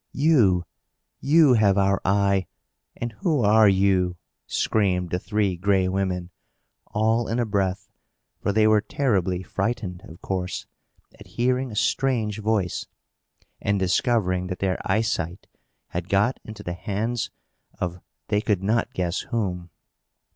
"You! you have our eye! And who are you?" screamed the Three Gray Women, all in a breath; for they were terribly frightened, of course, at hearing a strange voice, and discovering that their eyesight had got into the hands of they could not guess whom.